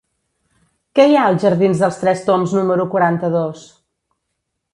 Què hi ha als jardins dels Tres Tombs número quaranta-dos?